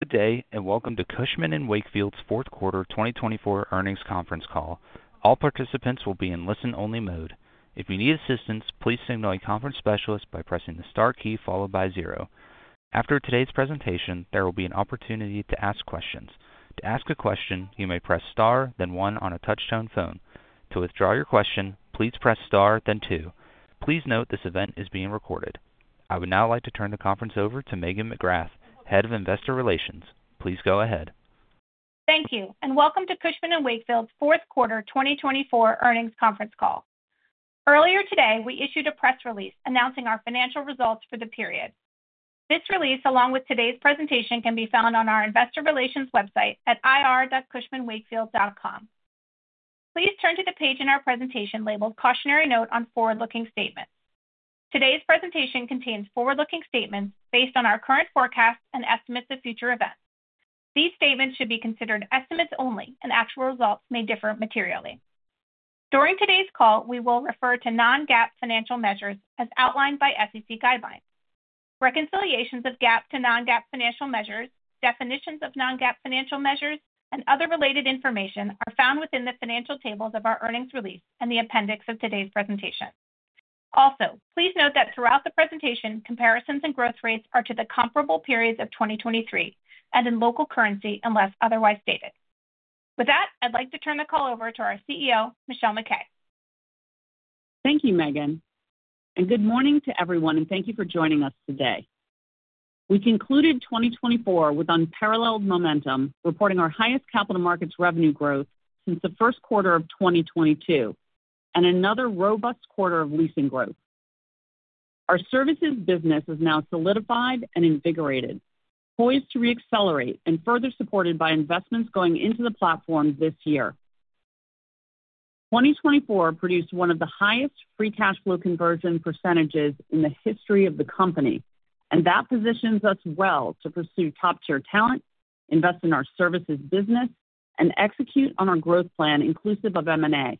Good day, and welcome to Cushman & Wakefield's Fourth Quarter 2024 Earnings Conference Call. All participants will be in listen-only mode. If you need assistance, please signal a conference specialist by pressing the star key followed by zero. After today's presentation, there will be an opportunity to ask questions. To ask a question, you may press star, then one on a touch-tone phone. To withdraw your question, please press star, then two. Please note this event is being recorded. I would now like to turn the conference over to Megan McGrath, Head of Investor Relations. Please go ahead. Thank you, and welcome to Cushman & Wakefield's Fourth Quarter 2024 Earnings Conference Call. Earlier today, we issued a press release announcing our financial results for the period. This release, along with today's presentation, can be found on our Investor Relations website at ir.cushmanwakefield.com. Please turn to the page in our presentation labeled "Cautionary Note on Forward-Looking Statements." Today's presentation contains forward-looking statements based on our current forecasts and estimates of future events. These statements should be considered estimates only, and actual results may differ materially. During today's call, we will refer to non-GAAP financial measures as outlined by SEC guidelines. Reconciliations of GAAP to non-GAAP financial measures, definitions of non-GAAP financial measures, and other related information are found within the financial tables of our earnings release and the appendix of today's presentation. Also, please note that throughout the presentation, comparisons and growth rates are to the comparable periods of 2023 and in local currency unless otherwise stated. With that, I'd like to turn the call over to our CEO, Michelle MacKay. Thank you, Megan. And good morning to everyone, and thank you for joining us today. We concluded 2024 with unparalleled momentum, reporting our highest capital markets revenue growth since the first quarter of 2022, and another robust quarter of leasing growth. Our services business is now solidified and invigorated, poised to re-accelerate, and further supported by investments going into the platform this year. 2024 produced one of the highest free cash flow conversion percentages in the history of the company, and that positions us well to pursue top-tier talent, invest in our services business, and execute on our growth plan inclusive of M&A.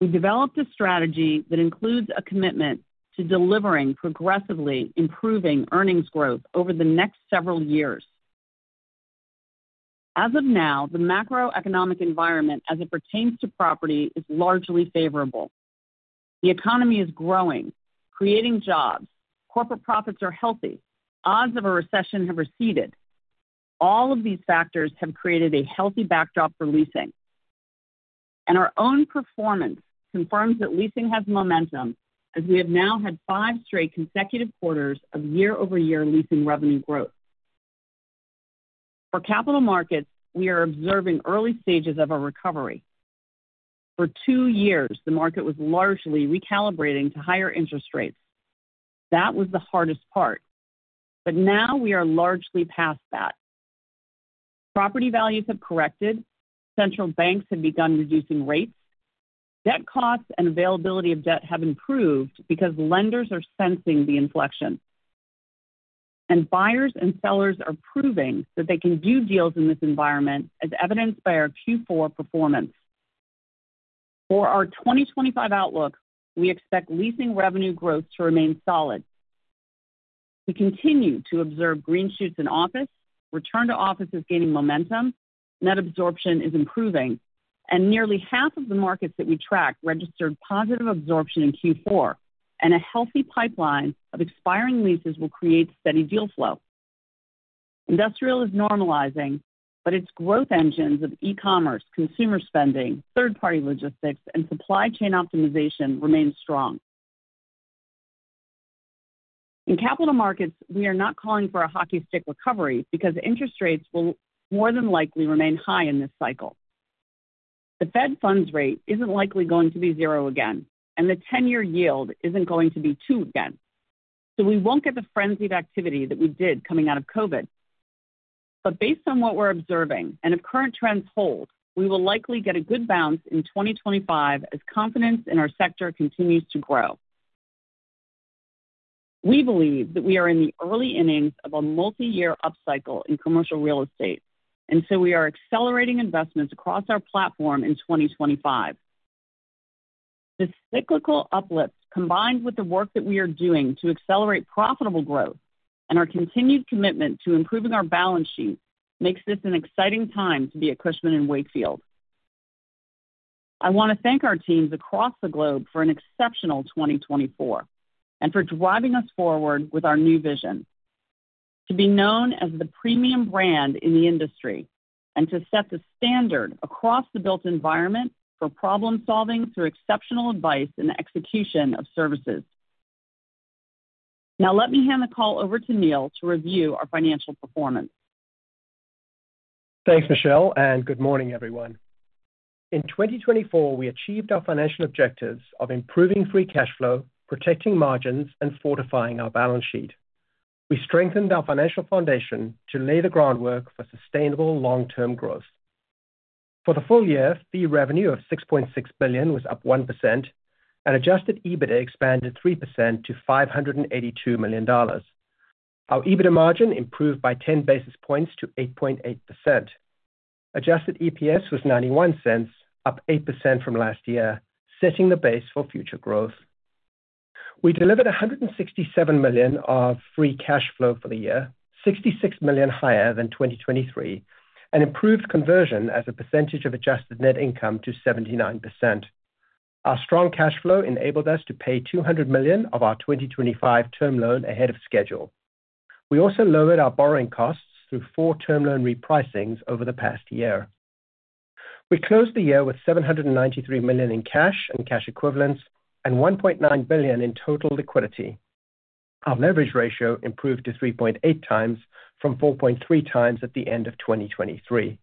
We developed a strategy that includes a commitment to delivering progressively improving earnings growth over the next several years. As of now, the macroeconomic environment as it pertains to property is largely favorable. The economy is growing, creating jobs, corporate profits are healthy, odds of a recession have receded. All of these factors have created a healthy backdrop for leasing, and our own performance confirms that leasing has momentum as we have now had five straight consecutive quarters of year-over-year leasing revenue growth. For capital markets, we are observing early stages of a recovery. For two years, the market was largely recalibrating to higher interest rates. That was the hardest part, but now we are largely past that. Property values have corrected, central banks have begun reducing rates, debt costs, and availability of debt have improved because lenders are sensing the inflection, and buyers and sellers are proving that they can do deals in this environment as evidenced by our Q4 performance. For our 2025 outlook, we expect leasing revenue growth to remain solid. We continue to observe green shoots in office, return to office is gaining momentum, net absorption is improving, and nearly half of the markets that we track registered positive absorption in Q4, and a healthy pipeline of expiring leases will create steady deal flow. Industrial is normalizing, but its growth engines of e-commerce, consumer spending, third-party logistics, and supply chain optimization remain strong. In capital markets, we are not calling for a hockey stick recovery because interest rates will more than likely remain high in this cycle. The Fed funds rate isn't likely going to be zero again, and the 10-year yield isn't going to be two again, so we won't get the frenzied activity that we did coming out of COVID, but based on what we're observing and if current trends hold, we will likely get a good bounce in 2025 as confidence in our sector continues to grow. We believe that we are in the early innings of a multi-year upcycle in commercial real estate, and so we are accelerating investments across our platform in 2025. The cyclical uplift, combined with the work that we are doing to accelerate profitable growth and our continued commitment to improving our balance sheet, makes this an exciting time to be at Cushman & Wakefield. I want to thank our teams across the globe for an exceptional 2024 and for driving us forward with our new vision. To be known as the premium brand in the industry and to set the standard across the built environment for problem-solving through exceptional advice and execution of services. Now, let me hand the call over to Neil to review our financial performance. Thanks, Michelle, and good morning, everyone. In 2024, we achieved our financial objectives of improving free cash flow, protecting margins, and fortifying our balance sheet. We strengthened our financial foundation to lay the groundwork for sustainable long-term growth. For the full year, the revenue of $6.6 billion was up 1%, and adjusted EBITDA expanded 3% to $582 million. Our EBITDA margin improved by 10 basis points to 8.8%. Adjusted EPS was $0.91, up 8% from last year, setting the base for future growth. We delivered $167 million of free cash flow for the year, $66 million higher than 2023, and improved conversion as a percentage of adjusted net income to 79%. Our strong cash flow enabled us to pay $200 million of our 2025 term loan ahead of schedule. We also lowered our borrowing costs through four term loan repricings over the past year. We closed the year with $793 million in cash and cash equivalents and $1.9 billion in total liquidity. Our leverage ratio improved to 3.8x from 4.3x at the end of 2023.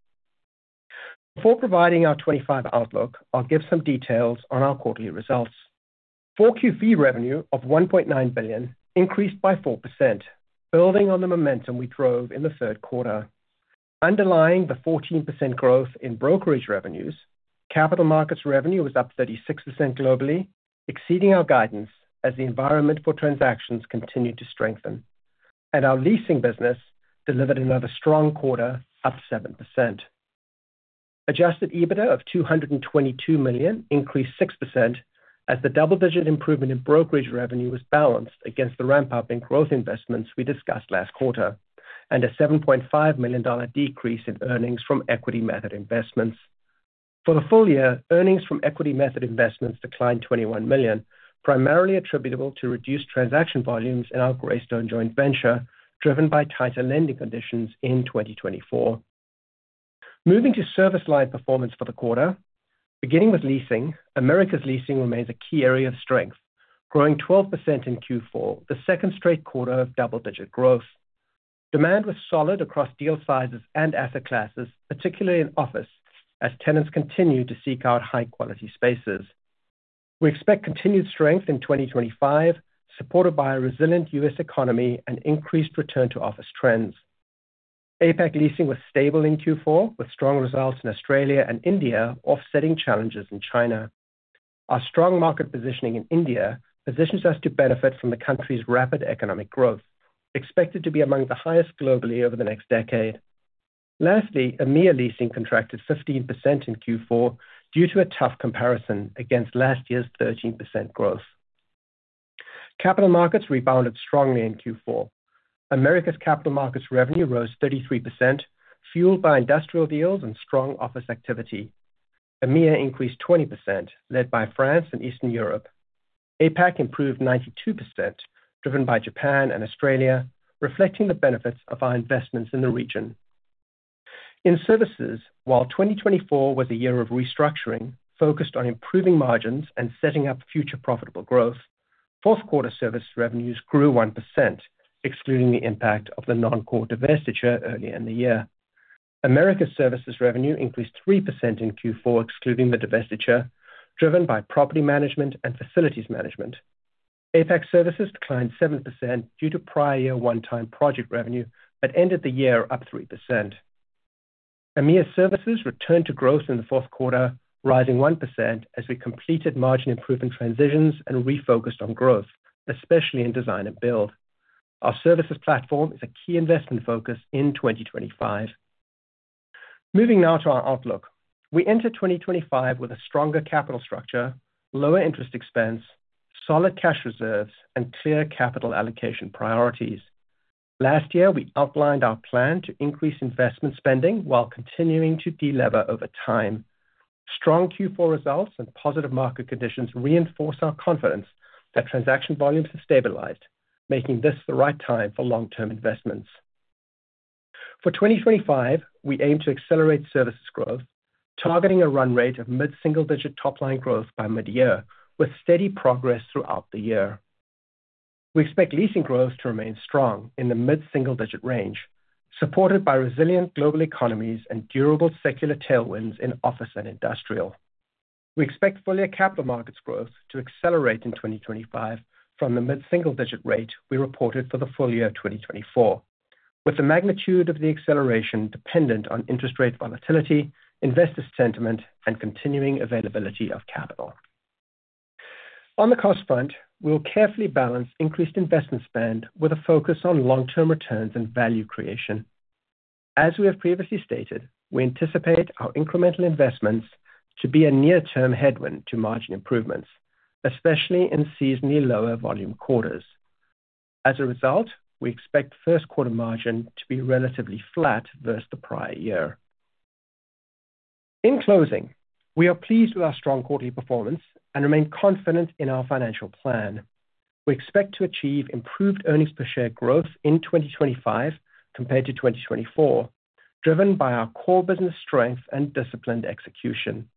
Before providing our 2025 outlook, I'll give some details on our quarterly results. For Q3, revenue of $1.9 billion increased by 4%, building on the momentum we drove in the third quarter. Underlying the 14% growth in brokerage revenues, capital markets revenue was up 36% globally, exceeding our guidance as the environment for transactions continued to strengthen, and our leasing business delivered another strong quarter, up 7%. Adjusted EBITDA of $222 million increased 6% as the double-digit improvement in brokerage revenue was balanced against the ramp-up in growth investments we discussed last quarter, and a $7.5 million decrease in earnings from equity-method investments. For the full year, earnings from equity-method investments declined $21 million, primarily attributable to reduced transaction volumes in our Greystone joint venture, driven by tighter lending conditions in 2024. Moving to service line performance for the quarter, beginning with leasing, Americas leasing remains a key area of strength, growing 12% in Q4, the second straight quarter of double-digit growth. Demand was solid across deal sizes and asset classes, particularly in office, as tenants continue to seek out high-quality spaces. We expect continued strength in 2025, supported by a resilient U.S. economy and increased return-to-office trends. APAC leasing was stable in Q4, with strong results in Australia and India offsetting challenges in China. Our strong market positioning in India positions us to benefit from the country's rapid economic growth, expected to be among the highest globally over the next decade. Lastly, EMEA leasing contracted 15% in Q4 due to a tough comparison against last year's 13% growth. Capital markets rebounded strongly in Q4. Americas capital markets revenue rose 33%, fueled by industrial deals and strong office activity. EMEA increased 20%, led by France and Eastern Europe. APAC improved 92%, driven by Japan and Australia, reflecting the benefits of our investments in the region. In services, while 2024 was a year of restructuring, focused on improving margins and setting up future profitable growth, fourth-quarter service revenues grew 1%, excluding the impact of the non-core divestiture earlier in the year. Americas services revenue increased 3% in Q4, excluding the divestiture, driven by property management and facilities management. APAC services declined 7% due to prior year one-time project revenue, but ended the year up 3%. EMEA services returned to growth in the fourth quarter, rising 1% as we completed margin improvement transitions and refocused on growth, especially in design and build. Our services platform is a key investment focus in 2025. Moving now to our outlook, we entered 2025 with a stronger capital structure, lower interest expense, solid cash reserves, and clear capital allocation priorities. Last year, we outlined our plan to increase investment spending while continuing to delever over time. Strong Q4 results and positive market conditions reinforce our confidence that transaction volumes have stabilized, making this the right time for long-term investments. For 2025, we aim to accelerate services growth, targeting a run rate of mid-single-digit top-line growth by mid-year, with steady progress throughout the year. We expect leasing growth to remain strong in the mid-single-digit range, supported by resilient global economies and durable secular tailwinds in office and industrial. We expect full capital markets growth to accelerate in 2025 from the mid-single-digit rate we reported for the full year 2024, with the magnitude of the acceleration dependent on interest rate volatility, investor sentiment, and continuing availability of capital. On the cost front, we will carefully balance increased investment spend with a focus on long-term returns and value creation. As we have previously stated, we anticipate our incremental investments to be a near-term headwind to margin improvements, especially in seasonally lower volume quarters. As a result, we expect first-quarter margin to be relatively flat versus the prior year. In closing, we are pleased with our strong quarterly performance and remain confident in our financial plan. We expect to achieve improved earnings per share growth in 2025 compared to 2024, driven by our core business strength and disciplined execution.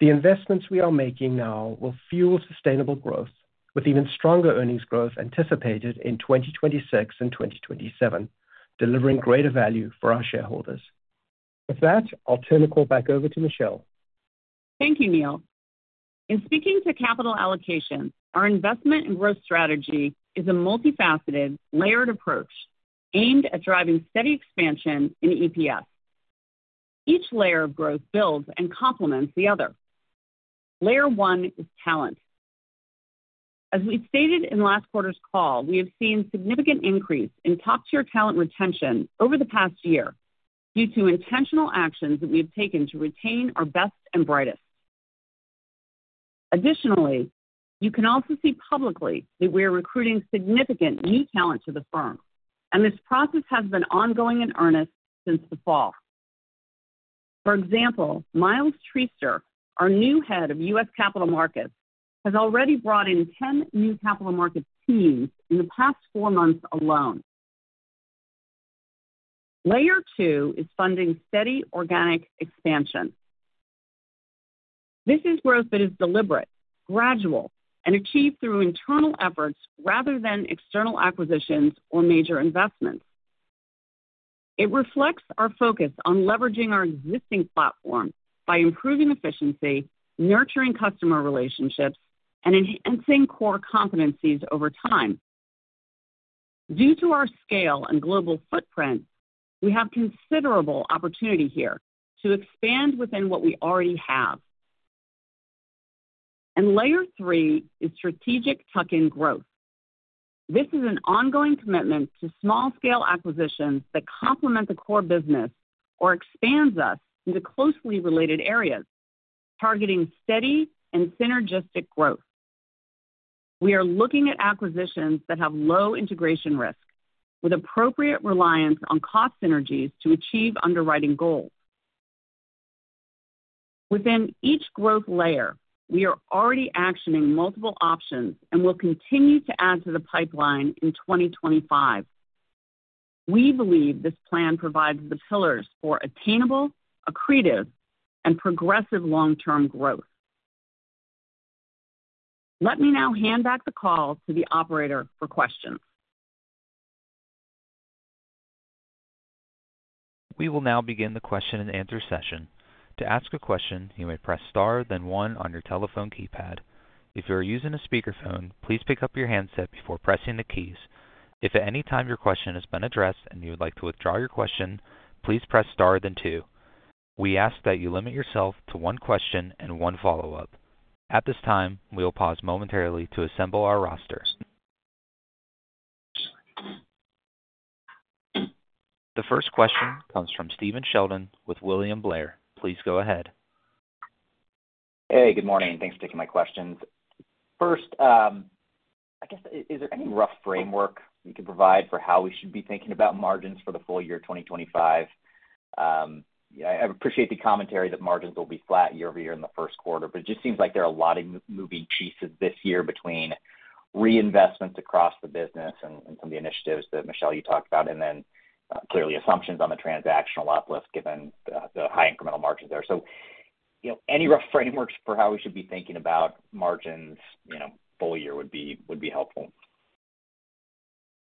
The investments we are making now will fuel sustainable growth, with even stronger earnings growth anticipated in 2026 and 2027, delivering greater value for our shareholders. With that, I'll turn the call back over to Michelle. Thank you, Neil. In speaking to capital allocation, our investment and growth strategy is a multifaceted, layered approach aimed at driving steady expansion in EPS. Each layer of growth builds and complements the other. Layer one is talent. As we stated in last quarter's call, we have seen a significant increase in top-tier talent retention over the past year due to intentional actions that we have taken to retain our best and brightest. Additionally, you can also see publicly that we are recruiting significant new talent to the firm, and this process has been ongoing and earnest since the fall. For example, Miles Treaster, our new Head of U.S. Capital Markets, has already brought in 10 new capital markets teams in the past four months alone. Layer two is funding steady organic expansion. This is growth that is deliberate, gradual, and achieved through internal efforts rather than external acquisitions or major investments. It reflects our focus on leveraging our existing platform by improving efficiency, nurturing customer relationships, and enhancing core competencies over time. Due to our scale and global footprint, we have considerable opportunity here to expand within what we already have. And layer three is strategic tuck-in growth. This is an ongoing commitment to small-scale acquisitions that complement the core business or expands us into closely related areas, targeting steady and synergistic growth. We are looking at acquisitions that have low integration risk, with appropriate reliance on cost synergies to achieve underwriting goals. Within each growth layer, we are already actioning multiple options and will continue to add to the pipeline in 2025. We believe this plan provides the pillars for attainable, accretive, and progressive long-term growth. Let me now hand back the call to the operator for questions. We will now begin the question-and-answer session. To ask a question, you may press star, then one on your telephone keypad. If you are using a speakerphone, please pick up your handset before pressing the keys. If at any time your question has been addressed and you would like to withdraw your question, please press star, then two. We ask that you limit yourself to one question and one follow-up. At this time, we will pause momentarily to assemble our roster. The first question comes from Stephen Sheldon with William Blair. Please go ahead. Hey, good morning. Thanks for taking my questions. First, I guess, is there any rough framework we can provide for how we should be thinking about margins for the full year 2025? I appreciate the commentary that margins will be flat year-over-year in the first quarter, but it just seems like there are a lot of moving pieces this year between reinvestments across the business and some of the initiatives that, Michelle, you talked about, and then clearly assumptions on the transactional uplift given the high incremental margins there. So any rough frameworks for how we should be thinking about margins full year would be helpful.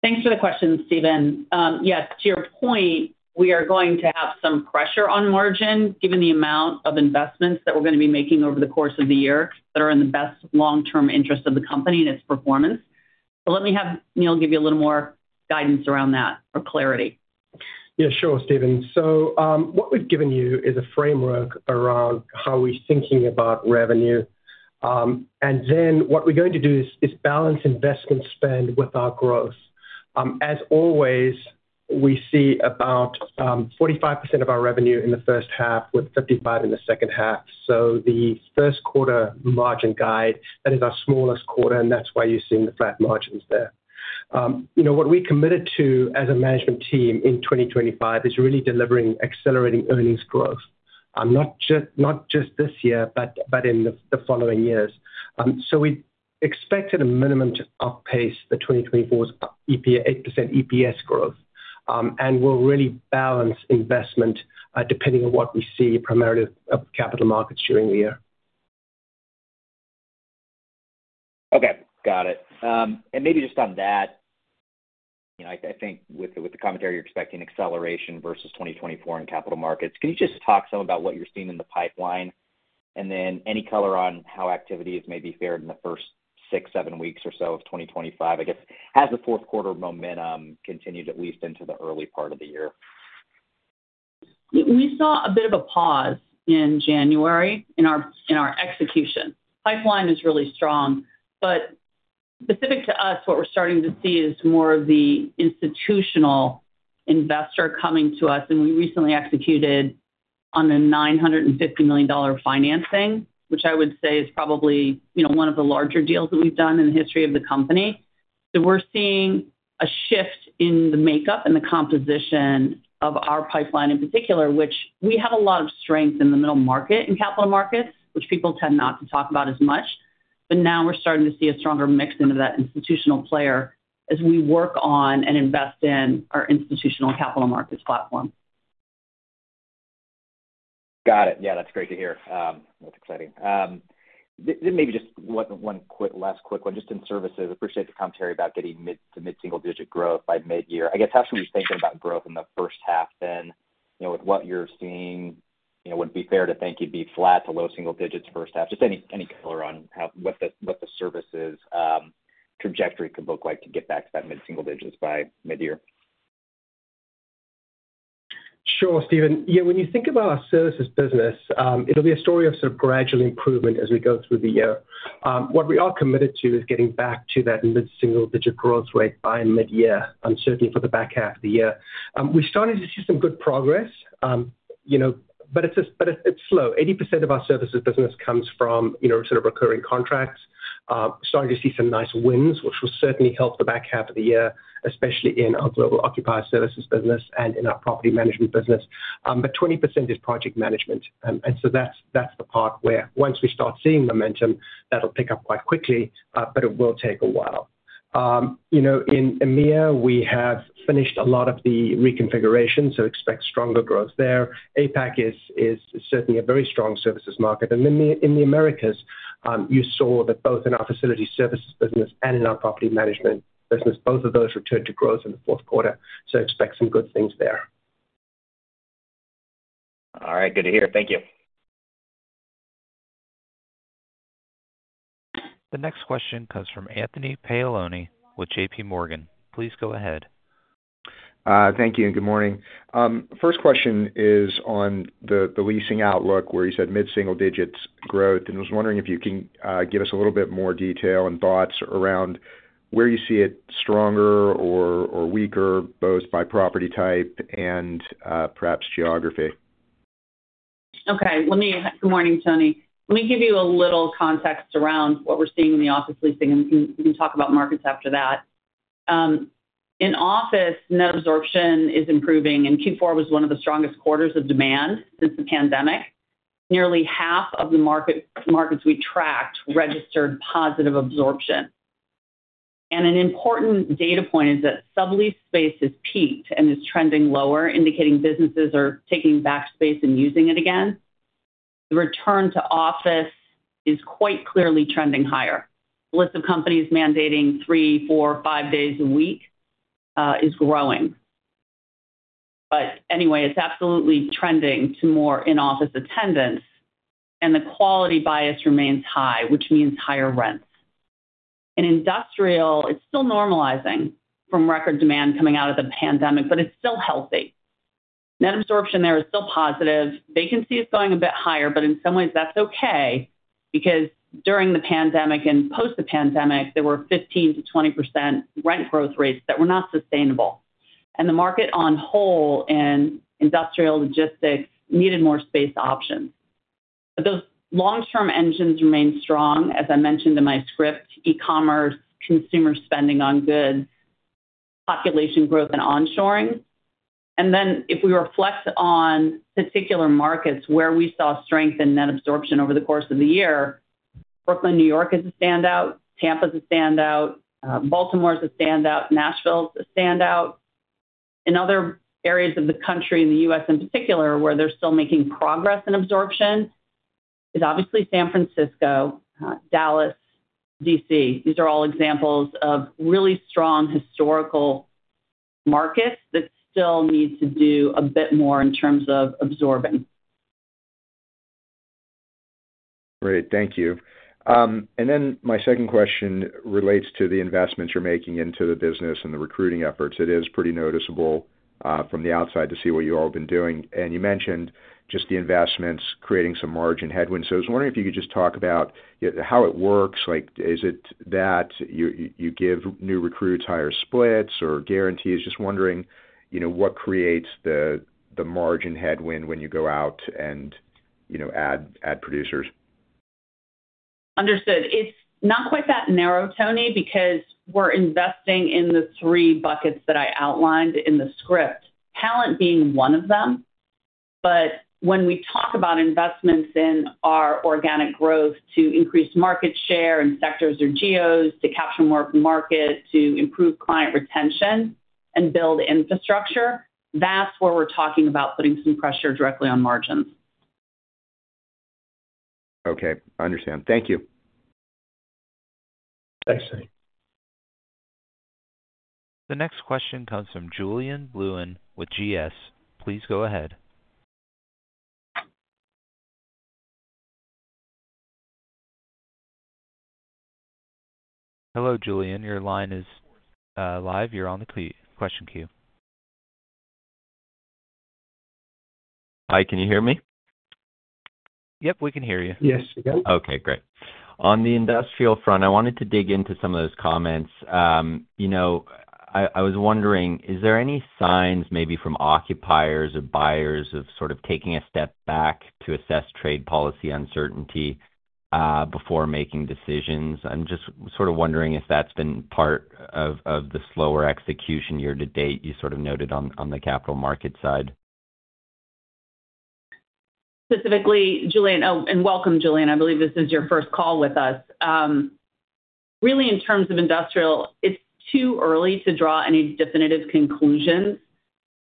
Thanks for the question, Stephen. Yes, to your point, we are going to have some pressure on margin given the amount of investments that we're going to be making over the course of the year that are in the best long-term interest of the company and its performance. So let me have Neil give you a little more guidance around that for clarity. Yeah, sure, Stephen. So what we've given you is a framework around how we're thinking about revenue, and then what we're going to do is balance investment spend with our growth. As always, we see about 45% of our revenue in the first half with 55% in the second half, so the first quarter margin guide, that is our smallest quarter, and that's why you're seeing the flat margins there. What we committed to as a management team in 2025 is really delivering accelerating earnings growth, not just this year, but in the following years, so we expect at a minimum to outpace the 2024's 8% EPS growth and will really balance investment depending on what we see primarily of capital markets during the year. Okay, got it. And maybe just on that, I think with the commentary you're expecting acceleration versus 2024 in capital markets, can you just talk some about what you're seeing in the pipeline and then any color on how activities may have fared in the first six, seven weeks or so of 2025? I guess, has the fourth quarter momentum continued at least into the early part of the year? We saw a bit of a pause in January in our execution. Pipeline is really strong, but specific to us, what we're starting to see is more of the institutional investor coming to us, and we recently executed on the $950 million financing, which I would say is probably one of the larger deals that we've done in the history of the company, so we're seeing a shift in the makeup and the composition of our pipeline in particular, which we have a lot of strength in the middle market and capital markets, which people tend not to talk about as much, but now we're starting to see a stronger mix into that institutional player as we work on and invest in our institutional capital markets platform. Got it. Yeah, that's great to hear. That's exciting. Then maybe just one last quick one, just in services. Appreciate the commentary about getting mid-single-digit growth by mid-year. I guess, how should we think about growth in the first half then with what you're seeing? Would it be fair to think it'd be flat to low single digits first half? Just any color on what the services trajectory could look like to get back to that mid-single digits by mid-year? Sure, Stephen. Yeah, when you think about our services business, it'll be a story of sort of gradual improvement as we go through the year. What we are committed to is getting back to that mid-single digit growth rate by mid-year, certainly for the back half of the year. We started to see some good progress, but it's slow. 80% of our services business comes from sort of recurring contracts. Starting to see some nice wins, which will certainly help the back half of the year, especially in our Global Occupier Services business and in our property management business. But 20% is project management. And so that's the part where once we start seeing momentum, that'll pick up quite quickly, but it will take a while. In EMEA, we have finished a lot of the reconfiguration, so expect stronger growth there. APAC is certainly a very strong services market. Then in the Americas, you saw that both in our facilities services business and in our property management business, both of those returned to growth in the fourth quarter. Expect some good things there. All right, good to hear. Thank you. The next question comes from Anthony Paolone with JPMorgan. Please go ahead. Thank you. Good morning. First question is on the leasing outlook where you said mid-single digits growth. And I was wondering if you can give us a little bit more detail and thoughts around where you see it stronger or weaker, both by property type and perhaps geography? Okay. Good morning, Tony. Let me give you a little context around what we're seeing in the office leasing, and we can talk about markets after that. In office, net absorption is improving, and Q4 was one of the strongest quarters of demand since the pandemic. Nearly half of the markets we tracked registered positive absorption, and an important data point is that sublease space has peaked and is trending lower, indicating businesses are taking back space and using it again. The return to office is quite clearly trending higher. The list of companies mandating three, four, five days a week is growing, but anyway, it's absolutely trending to more in-office attendance, and the quality bias remains high, which means higher rents. In industrial, it's still normalizing from record demand coming out of the pandemic, but it's still healthy. Net absorption there is still positive. Vacancy is going a bit higher, but in some ways, that's okay because during the pandemic and post the pandemic, there were 15%-20% rent growth rates that were not sustainable, and the market, on hold, in industrial logistics needed more space options, but those long-term engines remain strong, as I mentioned in my script, e-commerce, consumer spending on goods, population growth, and onshoring, and then if we reflect on particular markets where we saw strength in net absorption over the course of the year, Brooklyn, New York is a standout, Tampa's a standout, Baltimore's a standout, Nashville's a standout. In other areas of the country and the U.S. in particular where they're still making progress in absorption, is obviously San Francisco, Dallas, D.C. These are all examples of really strong historical markets that still need to do a bit more in terms of absorbing. Great. Thank you. And then my second question relates to the investments you're making into the business and the recruiting efforts. It is pretty noticeable from the outside to see what you all have been doing. And you mentioned just the investments creating some margin headwinds. So I was wondering if you could just talk about how it works. Is it that you give new recruits higher splits or guarantees? Just wondering what creates the margin headwind when you go out and add producers. Understood. It's not quite that narrow, Tony, because we're investing in the three buckets that I outlined in the script, talent being one of them. But when we talk about investments in our organic growth to increase market share in sectors or geos, to capture more of the market, to improve client retention, and build infrastructure, that's where we're talking about putting some pressure directly on margins. Okay. I understand. Thank you. Thanks, Tony. The next question comes from Julien Blouin with GS. Please go ahead. Hello, Julien. Your line is live. You're on the question queue. Hi, can you hear me? Yep, we can hear you. Yes, we can. Okay, great. On the industrial front, I wanted to dig into some of those comments. I was wondering, is there any signs maybe from occupiers or buyers of sort of taking a step back to assess trade policy uncertainty before making decisions? I'm just sort of wondering if that's been part of the slower execution year-to-date you sort of noted on the capital market side. Specifically, Julien, and welcome, Julien. I believe this is your first call with us. Really, in terms of industrial, it's too early to draw any definitive conclusions.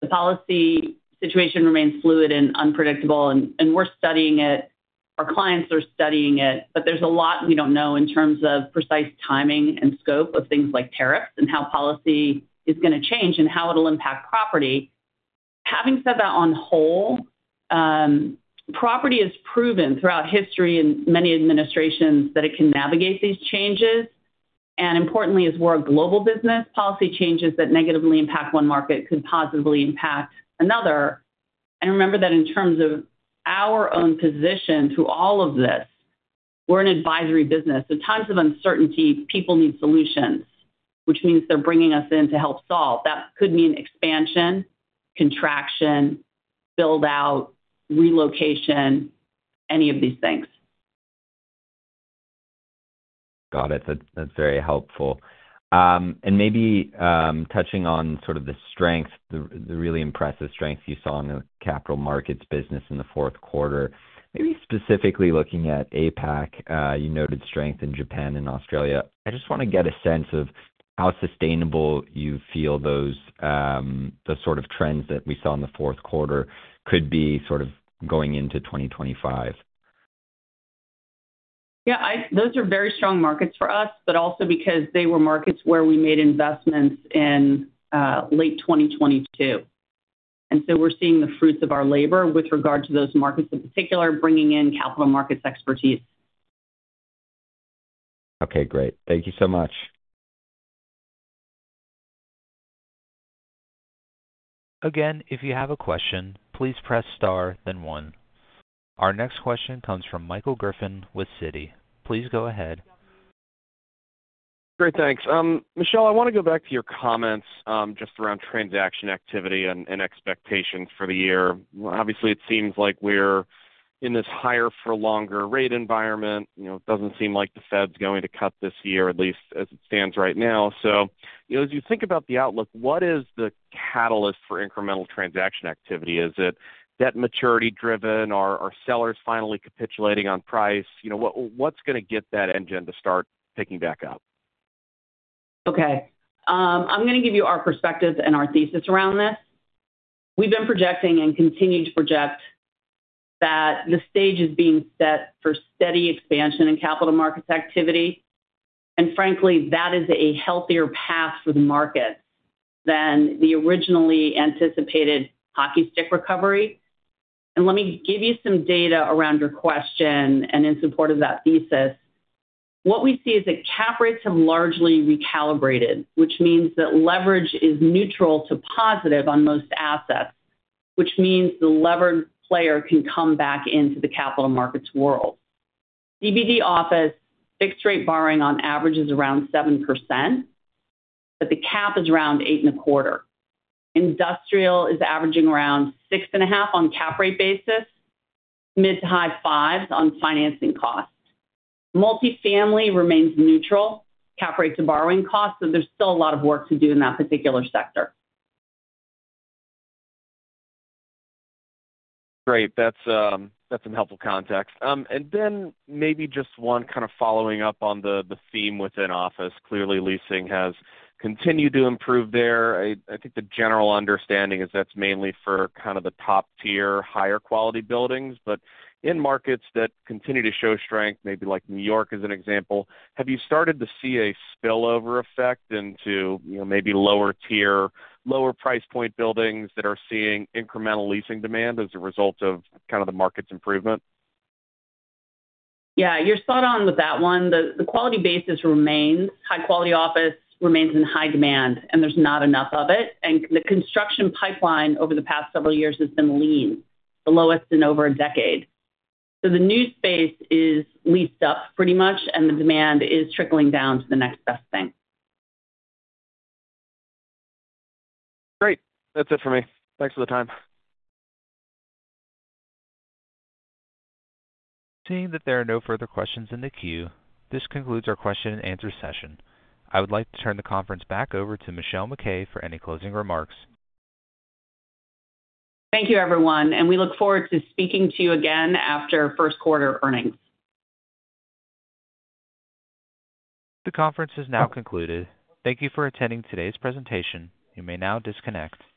The policy situation remains fluid and unpredictable, and we're studying it. Our clients are studying it, but there's a lot we don't know in terms of precise timing and scope of things like tariffs and how policy is going to change and how it'll impact property. Having said that on the whole, property has proven throughout history in many administrations that it can navigate these changes. And importantly, as we're a global business, policy changes that negatively impact one market could positively impact another. And remember that in terms of our own position through all of this, we're an advisory business. In times of uncertainty, people need solutions, which means they're bringing us in to help solve. That could mean expansion, contraction, build-out, relocation, any of these things. Got it. That's very helpful. And maybe touching on sort of the strength, the really impressive strength you saw in the capital markets business in the fourth quarter, maybe specifically looking at APAC, you noted strength in Japan and Australia. I just want to get a sense of how sustainable you feel those sort of trends that we saw in the fourth quarter could be sort of going into 2025. Yeah, those are very strong markets for us, but also because they were markets where we made investments in late 2022, and so we're seeing the fruits of our labor with regard to those markets in particular, bringing in capital markets expertise. Okay, great. Thank you so much. Again, if you have a question, please press star, then one. Our next question comes from Michael Griffin with Citi. Please go ahead. Great, thanks. Michelle, I want to go back to your comments just around transaction activity and expectations for the year. Obviously, it seems like we're in this higher-for-longer rate environment. It doesn't seem like the Fed's going to cut this year, at least as it stands right now. So as you think about the outlook, what is the catalyst for incremental transaction activity? Is it debt maturity driven? Are sellers finally capitulating on price? What's going to get that engine to start picking back up? Okay. I'm going to give you our perspective and our thesis around this. We've been projecting and continue to project that the stage is being set for steady expansion in capital markets activity. Frankly, that is a healthier path for the markets than the originally anticipated hockey stick recovery. Let me give you some data around your question and in support of that thesis. What we see is that cap rates have largely recalibrated, which means that leverage is neutral to positive on most assets, which means the levered player can come back into the capital markets world. CBD office, fixed-rate borrowing on average is around 7%, but the cap is around 8.25%. Industrial is averaging around 6.5% on cap rate basis, mid- to high fives on financing costs. Multifamily remains neutral, cap rate to borrowing costs, so there's still a lot of work to do in that particular sector. Great. That's some helpful context. And then maybe just one kind of following up on the theme within office. Clearly, leasing has continued to improve there. I think the general understanding is that's mainly for kind of the top-tier, higher-quality buildings. But in markets that continue to show strength, maybe like New York as an example, have you started to see a spillover effect into maybe lower-tier lower price point buildings that are seeing incremental leasing demand as a result of kind of the market's improvement? Yeah, you're spot on with that one. The quality basis remains. High-quality office remains in high demand, and there's not enough of it, and the construction pipeline over the past several years has been lean, the lowest in over a decade, so the new space is leased up pretty much, and the demand is trickling down to the next best thing. Great. That's it for me. Thanks for the time. Seeing that there are no further questions in the queue, this concludes our question-and-answer session. I would like to turn the conference back over to Michelle MacKay for any closing remarks. Thank you, everyone. And we look forward to speaking to you again after first quarter earnings. The conference has now concluded. Thank you for attending today's presentation. You may now disconnect.